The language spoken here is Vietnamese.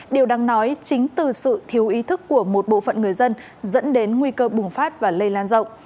điều đáng nói chính từ sự thiếu ý thức của một bộ phận người dân dẫn đến nguy cơ bùng phát và lây lan rộng